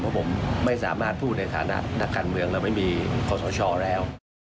เพราะผมไม่สามารถพูดในขณะนักการเมืองเราไม่มีความสะชอบแล้ว